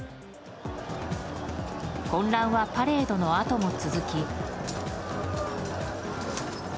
混乱はパレードのあとも続き。